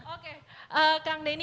oke kang deni